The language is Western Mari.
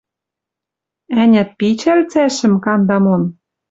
Ӓнят, пичӓл цӓшӹм канда мон.